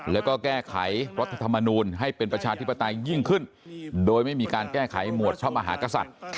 แล้วก็แก้ไขรัฐธรรมนูลให้เป็นประชาธิปไตยยิ่งขึ้นโดยไม่มีการแก้ไขหมวดพระมหากษัตริย์